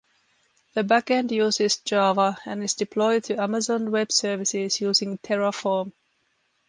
The backend uses Java and is deployed to Amazon Web Services using Terraform.